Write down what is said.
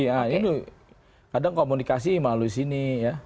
iya ini kadang komunikasi melalui sini ya